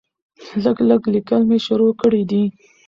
لږ لږ ليکل مې شروع کړي دي